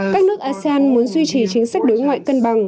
các nước asean muốn duy trì chính sách đối ngoại cân bằng